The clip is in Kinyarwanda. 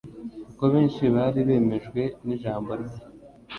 kuko benshi bari bemejwe n'ijambo rye.